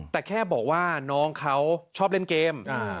แต่แค่บอกว่าน้องเขาชอบเล่นเกม